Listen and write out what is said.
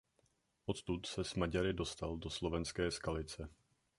Odtud se s Maďary dostal do slovenské Skalice.